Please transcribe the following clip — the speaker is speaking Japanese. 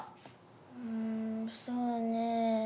うんそうね。